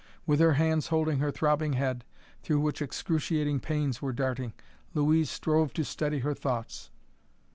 With her hands holding her throbbing head, through which excruciating pains were darting, Louise strove to steady her thoughts.